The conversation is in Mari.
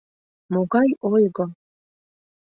Могай ойго!